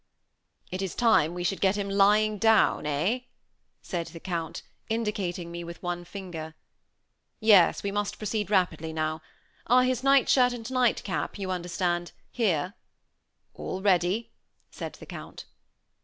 "It is time we should get him lying down, eh," said the Count, indicating me with one finger. "Yes, we must proceed rapidly now. Are his night shirt and night cap you understand here?" "All ready," said the Count.